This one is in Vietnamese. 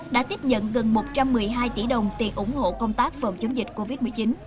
đã tiếp nhận gần một trăm một mươi hai tỷ đồng tiền ủng hộ công tác phòng chống dịch covid một mươi chín